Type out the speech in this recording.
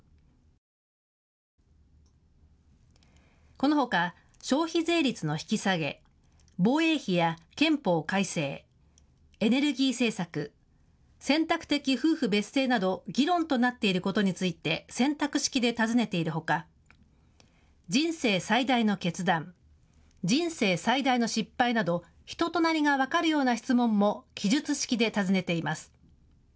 このほか消費税率の引き下げ、防衛費や憲法改正、エネルギー政策、選択的夫婦別姓など議論となっていることについて選択式で尋ねているほか人生最大の決断、人生最大の失敗など人となりが分かるような質問も記述式で尋ねています。